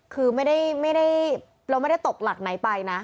คือไม่ได้เราไม่ได้ตกหลักไหนไปนะ